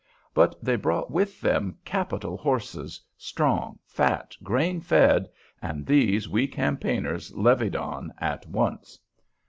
But they brought with them capital horses, strong, fat, grain fed, and these we campaigners levied on at once.